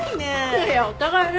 いやいやお互いね。